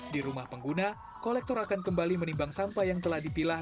di rumah pengguna kolektor akan kembali menimbang sampah yang telah dipilah